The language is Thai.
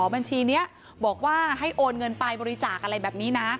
บัญชีนี้บอกว่าให้โอนเงินไปบริจาคอะไรแบบนี้นะ